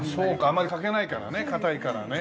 あんまり欠けないからね堅いからね。